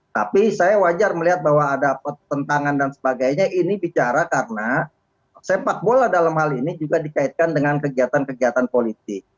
tapi saya wajar melihat bahwa ada pertentangan dan sebagainya ini bicara karena sepak bola dalam hal ini juga dikaitkan dengan kegiatan kegiatan politik